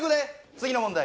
次の問題。